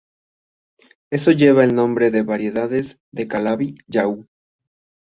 Eso lleva al nombre de variedades de Calabi-Yau.